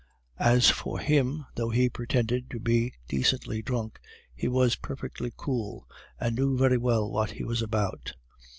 As for him, though he pretended to be decently drunk, he was perfectly cool, and knew very well what he was about.